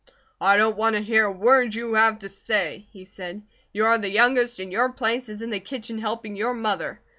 "I don't want to hear a word you have to say," he said. "You are the youngest, and your place is in the kitchen helping your mother.